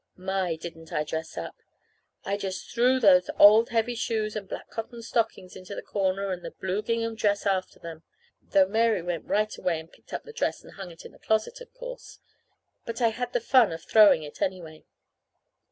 My, didn't I dress up? And I just threw those old heavy shoes and black cotton stockings into the corner, and the blue gingham dress after them (though Mary went right away and picked the dress up, and hung it in the closet, of course); but I had the fun of throwing it, anyway.